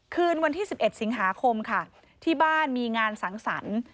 คืนวันที่๑๑สิงหาคมค่ะที่บ้านมีงานสังสรรค์